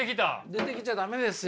出てきちゃ駄目ですよ。